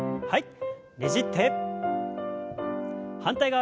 はい。